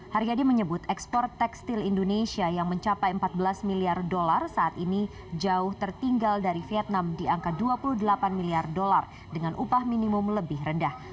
haryadi menyebut ekspor tekstil indonesia yang mencapai empat belas miliar dolar saat ini jauh tertinggal dari vietnam di angka dua puluh delapan miliar dolar dengan upah minimum lebih rendah